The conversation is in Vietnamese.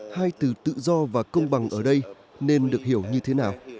hai từ tự do và công bằng ở đây nên được hiểu như thế nào